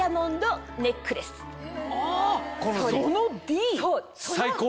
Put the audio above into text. そのＤ？